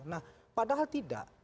nah padahal tidak